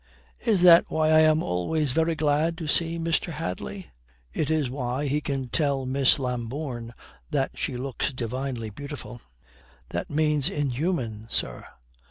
"Is that why I am always very glad to see Mr. Hadley?" "It is why he can tell Miss Lambourne that she looks divinely beautiful." "That means inhuman, sir."